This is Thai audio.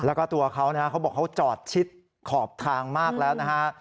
แล้วก็ตัวเขานะฮะเขาบอกเขาจอดชิดขอบทางมากแล้วนะฮะ